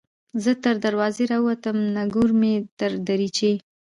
ـ زه تر دروازې راوتم نګور مې تر دريچې